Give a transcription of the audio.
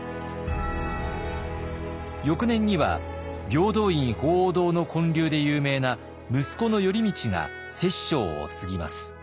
翌年には平等院鳳凰堂の建立で有名な息子の頼通が摂政を継ぎます。